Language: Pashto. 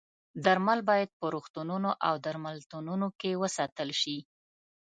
درمل باید په روغتونونو او درملتونونو کې وساتل شي.